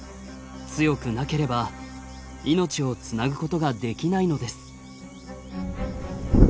強くなければ命をつなぐことができないのです。